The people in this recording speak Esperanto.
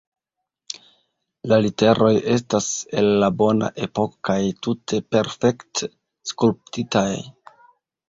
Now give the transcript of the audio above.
La literoj estas el la bona epoko kaj tute perfekte skulptitaj.